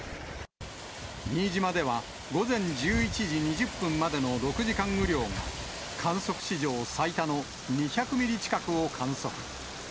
新島では午前１１時２０分までの６時間雨量が、観測史上最多の２００ミリ近くを観測。